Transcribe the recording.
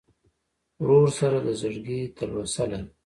ورور سره د زړګي تلوسه لرې.